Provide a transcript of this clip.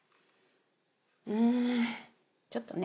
うんちょっとね